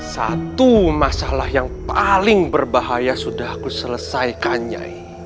satu masalah yang paling berbahaya sudah aku selesaikannya